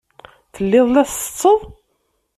Telliḍ la tsetteḍ?